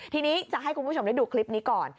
ทีนี้จะให้คุณผู้ชมได้ดูคลิปนี้ก่อน